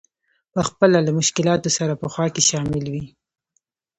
په خپله له مشکلاتو سره په خوا کې شامل وي.